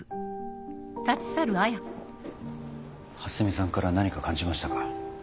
蓮見さんから何か感じましたか？